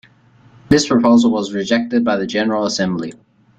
This proposal was rejected by the General Assembly.